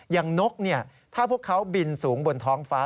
นกถ้าพวกเขาบินสูงบนท้องฟ้า